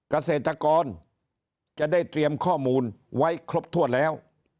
เกษตรกรจะได้เตรียมข้อมูลไว้ครบถ้วนแล้ว